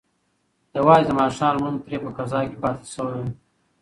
یوازې د ماښام لمونځ ترې په قضا کې پاتې شوی و.